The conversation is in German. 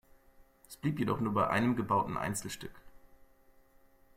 Es blieb jedoch nur bei einem gebauten Einzelstück.